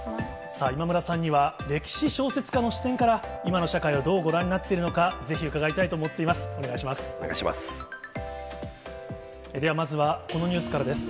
さあ、今村さんには歴史小説家の視点から、今の社会をどうご覧になっているのか、ぜひ伺いたいと思っています。